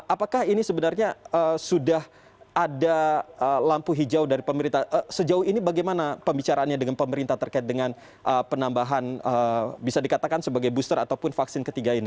apakah ini sebenarnya sudah ada lampu hijau dari pemerintah sejauh ini bagaimana pembicaraannya dengan pemerintah terkait dengan penambahan bisa dikatakan sebagai booster ataupun vaksin ketiga ini